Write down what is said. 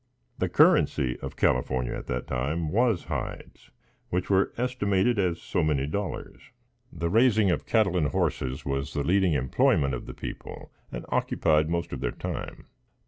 The currency of California at that time was hides, which were estimated as so many dollars. The raising of cattle and horses was the leading employment of the people, and occupied most of their time.